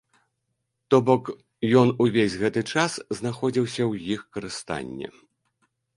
То бок ён увесь гэты час знаходзіўся ў іх у карыстанні.